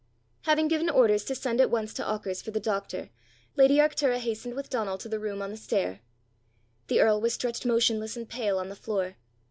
Having given orders to send at once to Auchars for the doctor, lady Arctura hastened with Donal to the room on the stair. The earl was stretched motionless and pale on the floor.